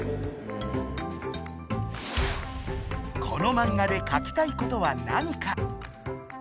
このマンガでかきたいことは何か。